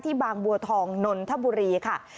บางบัวทองนนทบุรีค่ะ